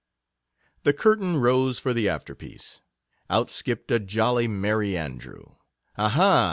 The curtain rose for the afterpiece. Out skipped a jolly Merry Andrew. Aha